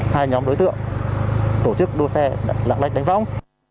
hai nhóm đối tượng tổ chức đua xe lạng lách đánh võng